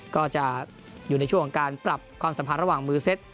ก็จะอยู่ในช่วงของการปรับความสัมพันธ์ระหว่างมือเซ็ต